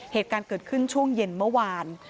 เหตุการณ์เกิดขึ้นช่วงเย็นเมื่อวาน